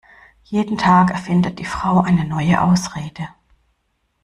Jeden Tag erfindet die Frau eine neue Ausrede.